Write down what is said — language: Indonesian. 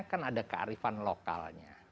kan ada kearifan lokalnya